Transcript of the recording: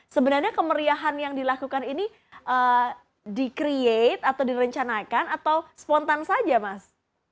sebenarnya kemeriahan yang dilakukan ini di create atau direncanakan atau spontan saja mas